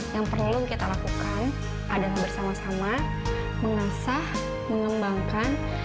yang perlu kita lakukan adalah bersama sama mengasah mengembangkan